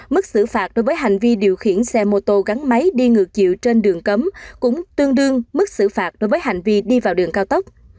mức xử phạt đối với hành vi điều khiển xe mô tô gắn máy đi ngược chiều trên đường cấm cũng tương đương mức xử phạt đối với hành vi đi vào đường cao tốc